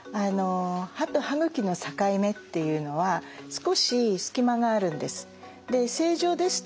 歯と歯ぐきの境目っていうのは少し隙間があるんです。